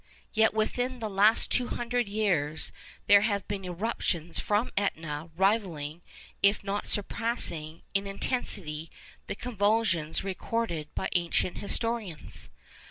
Yet within the last two hundred years there have been eruptions from Etna rivalling, if not surpassing, in intensity the convulsions recorded by ancient historians.